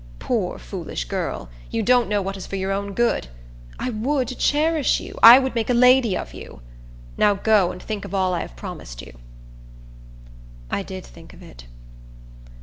Poor, foolish girl! you don't know what is for your own good. I would cherish you. I would make a lady of you. Now go, and think of all I have promised you." I did think of it.